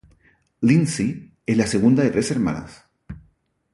Lindsay es la segunda de tres hermanas.